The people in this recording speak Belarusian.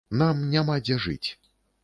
Нам няма дзе жыць.